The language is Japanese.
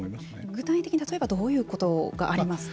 具体的に例えばどういうことがありますか。